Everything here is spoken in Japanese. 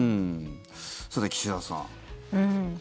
さて、岸田さん。